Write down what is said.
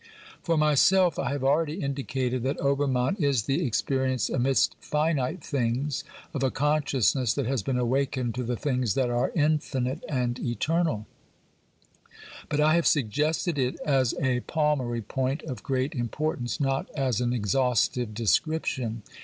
For myself I have already indicated that Obermann is the ex perience amidst finite things of a consciousness that has been awakened to the things that are infinite and eternal ; but I have suggested it as a palmary point of great im portance, not as an exhaustive description.